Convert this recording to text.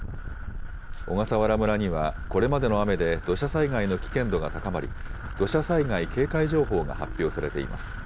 小笠原村には、これまでの雨で土砂災害の危険度が高まり、土砂災害警戒情報が発表されています。